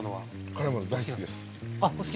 辛いの大好きです。